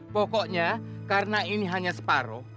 pokoknya karena ini hanya separuh